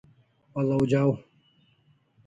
Pal'aw jaw